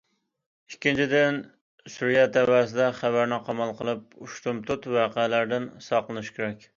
ئىككىنچىدىن، سۈرىيە تەۋەسىدە خەۋەرنى قامال قىلىپ، ئۇشتۇمتۇت ۋەقەلەردىن ساقلىنىش كېرەك.